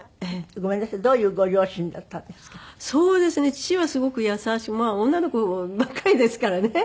父はすごく優しいまあ女の子ばっかりですからね